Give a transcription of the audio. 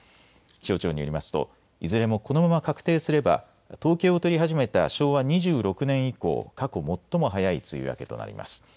気象庁によりますといずれもこのまま確定すれば統計を取り始めた昭和２６年以降、過去最も早い梅雨明けとなります。